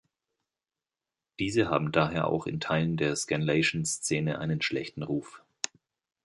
Diese haben daher auch in Teilen der Scanlation-Szene einen schlechten Ruf.